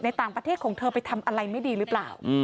ต่างประเทศของเธอไปทำอะไรไม่ดีหรือเปล่า